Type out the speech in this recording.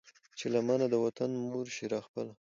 چې لمنه د وطن مور شي را خپله